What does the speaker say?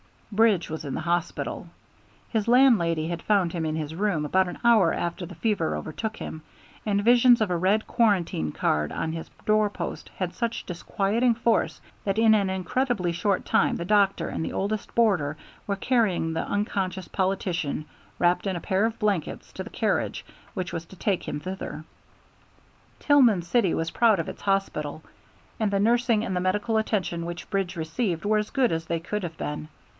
Bridge was in the hospital. His landlady had found him in his room about an hour after the fever overtook him, and visions of a red quarantine card on her door post had such disquieting force that in an incredibly short time the doctor and the oldest boarder were carrying the unconscious politician wrapped in a pair of blankets to the carriage which was to take him thither. Tillman City was proud of its hospital, and the nursing and the medical attention which Bridge received were as good as they could have been.